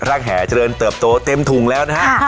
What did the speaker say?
ร่างแหนี่จะเริ่มเติบโตเต็มถุงแล้วนะครับ